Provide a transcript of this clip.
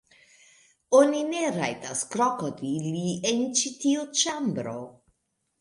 Oni ne rajtas krokodili en ĉi tiu ĉambro.